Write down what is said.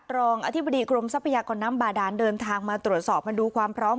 รองอธิบดีกรมทรัพยากรน้ำบาดานเดินทางมาตรวจสอบมาดูความพร้อม